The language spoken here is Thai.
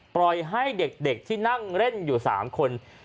ปล่อยให้เด็กที่นั่งเล่นอยู่๓คน